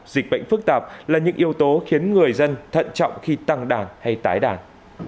dịch bệnh phức tạp là những yếu tố khiến người dân thận trọng khi tăng đàn hay tái đàn